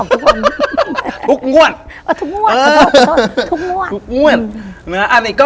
ถูกหน้วน